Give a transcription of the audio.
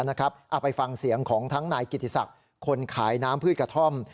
เอาไปฟังเสียงของทั้งนายกิติศักดิ์คนขายน้ำพืชกระท่อม